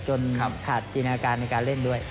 ขาดจินอาการในการเล่นด้วย